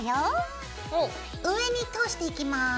上に通していきます。